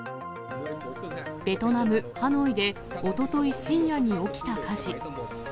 ベトナム・ハノイで、おととい深夜に起きた火事。